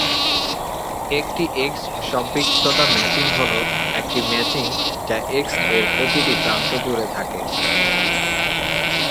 একটি "এক্স"-সম্পৃক্ততা ম্যাচিং হল একটি ম্যাচিং যা "এক্স" এর প্রতিটি প্রান্ত জুড়ে থাকে।